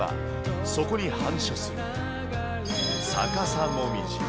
そこに反射する逆さもみじ。